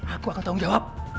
aku akan tanggung jawab